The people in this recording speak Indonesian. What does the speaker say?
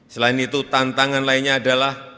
selain itu tantangan lainnya adalah